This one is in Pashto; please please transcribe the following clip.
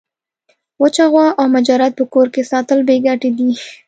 وچه غوا او مجرد په کور کي ساتل بې ګټي دي.